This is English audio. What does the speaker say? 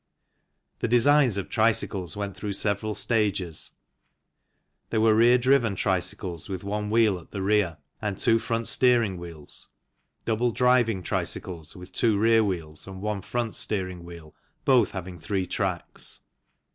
The designs of tricycles went through several stages. There were rear driven tricycles with one wheel at the rear and two front steering wheels, double driving tricycles with two rear wheels and one front steering wheel, both having three tracks.